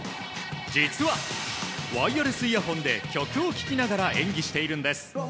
実は、ワイヤレスイヤホンで曲を聴きながら演技をしているんです。